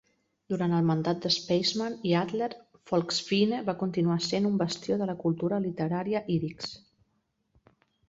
Durant el mandat de Spaisman i Adler, Folksbiene va continuar sent un bastió de la cultura literària ídix.